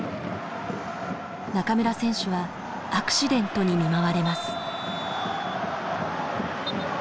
中村選手はアクシデントに見舞われます。